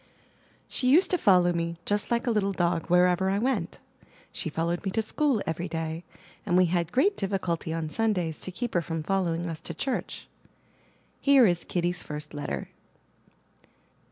She used to follow me, just like a little dog wherever I went. She followed me to school every day, and we had great difficulty on Sundays to keep her from following us to church. Here is Kitty's first letter.